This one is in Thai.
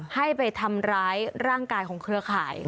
ให้ไปทำร้ายร่างกายของเครือข่าย